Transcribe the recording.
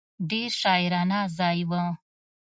ډېر شاعرانه ځای و.